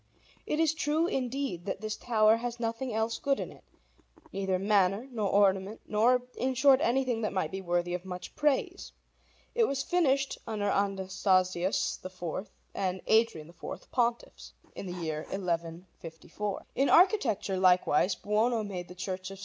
It is true, indeed, that this tower has nothing else good in it, neither manner, nor ornament, nor, in short, anything that might be worthy of much praise. It was finished under Anastasius IV and Adrian IV, Pontiffs, in the year 1154. In architecture, likewise, Buono made the Church of S.